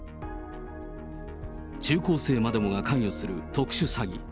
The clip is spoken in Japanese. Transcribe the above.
中高生までもが関与する特殊詐欺。